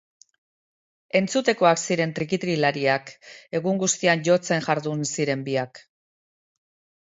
Entzutekoak ziren trikitilariak, egun guztian jotzen jardun ziren biak.